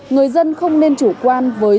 người dân không nên chủ quan với